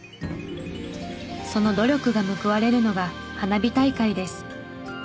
その努力が報われるのが花火大会です。